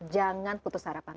jangan putus harapan